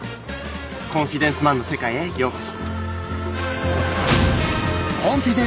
コンフィデンスマンの世界へようこそ。